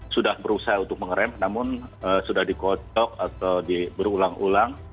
sudah berusaha untuk mengerem namun sudah dikocok atau berulang ulang